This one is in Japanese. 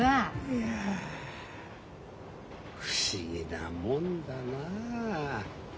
いや不思議なもんだなあ。